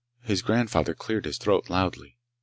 His grandfather cleared his throat loudly.